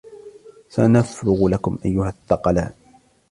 سَنَفْرُغُ لَكُمْ أَيُّهَا الثَّقَلانِ